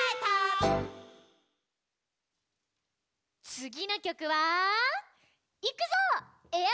つぎのきょくは「いくぞ！エアロボ」。